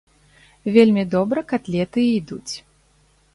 Вельмі добра катлеты ідуць.